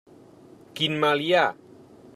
Quin mal hi ha?